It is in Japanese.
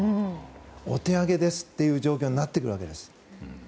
お手上げですという状況になってきます。